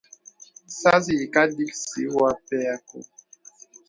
Sās yìkā dìksì wɔ̄ a pɛ kɔ̄.